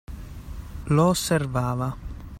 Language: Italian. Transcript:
Lo osservava.